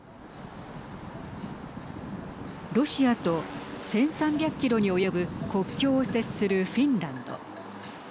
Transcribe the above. ロシアと１３００キロに及ぶ国境を接するフィンランド。